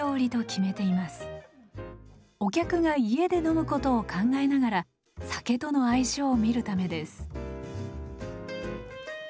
お客が家で飲むことを考えながら酒との相性を見るためです。